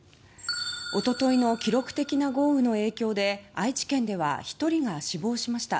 一昨日の記録的な豪雨の影響で愛知県では１人が死亡しました。